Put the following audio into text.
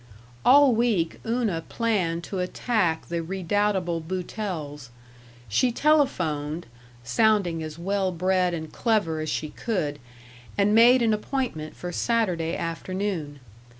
All week Una planned to attack the redoubtable Boutells. She telephoned (sounding as well bred and clever as she could) and made an appointment for Saturday afternoon.